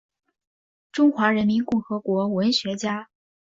中华人民共和国文学家。